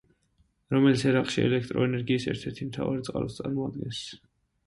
რომელიც ერაყში ელექტროენერგიის ერთ-ერთი მთავარ წყაროს წარმოადგენს.